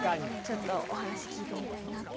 ちょっとお話聞いてみたいなと。